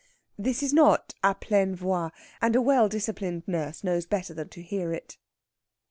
This is not à pleine voix, and a well disciplined Nurse knows better than to hear it.